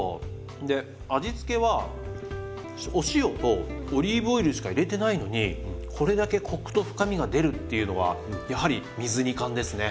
で味付けはお塩とオリーブオイルしか入れてないのにこれだけコクと深みが出るっていうのはやはり水煮缶ですね。